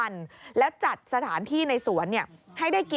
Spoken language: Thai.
น่ากินมาก